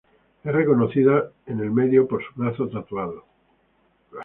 Es reconocida en el medio por su brazo tatuado.